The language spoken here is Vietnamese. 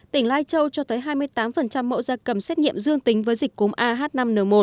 tỉnh lai châu cho tới hai mươi tám mẫu da cầm xét nghiệm dương tính với dịch cúm ah năm n một